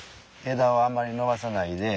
枝をあんまり伸ばさないで。